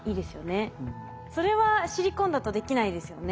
それはシリコンだとできないですよね？